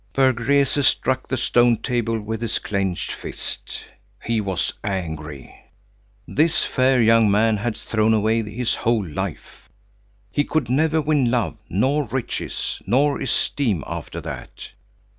Berg Rese struck the stone table with his clenched fist. He was angry. This fair young man had thrown away his whole life. He could never win love, nor riches, nor esteem after that.